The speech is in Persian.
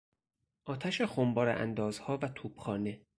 آتش خمپارهاندازها و توپخانه